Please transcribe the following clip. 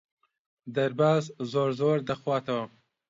دەرباز زۆر زۆر دەخواتەوە.